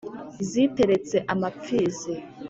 Ziteretse amapfizi